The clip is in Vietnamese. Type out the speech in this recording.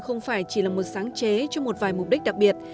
không phải chỉ là một sáng chế cho một vài mục đích đặc biệt